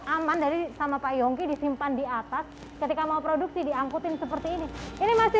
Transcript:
aman dari sama pak yongki disimpan di atas ketika mau produksi diangkutin seperti ini ini masih